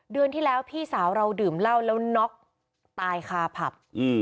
เดือนที่แล้วพี่สาวเราดื่มเหล้าแล้วน็อกตายคาผับ